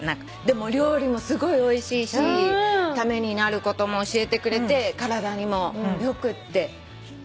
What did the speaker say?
でも料理もすごいおいしいしためになることも教えてくれて体にも良くって。